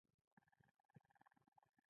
اخبار یې د کور غم په نامه و.